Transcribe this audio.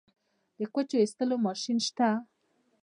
د کوچو ایستلو ماشین شته؟